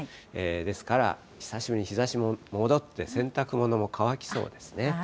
ですから久しぶりに日ざしも戻って、洗濯物も乾きそうですね。